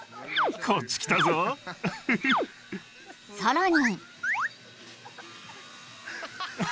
［さらに］